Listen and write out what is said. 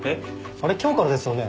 あれ今日からですよね？